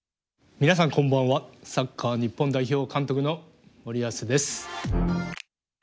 皆さんこんばんはサッカー日本代表監督の森保です。